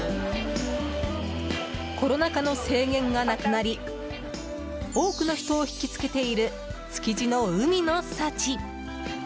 コロナ禍の制限がなくなり多くの人を引きつけている築地の海の幸。